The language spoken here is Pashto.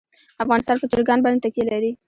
افغانستان په چرګان باندې تکیه لري.